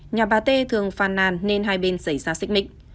nhà bà t thường phàn nàn nên hai bên xảy ra xích mịch